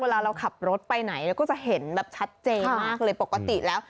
เวลาเราขับรถไปไหนเราก็จะเห็นแบบชัดเจนมากเลยปกติแล้ว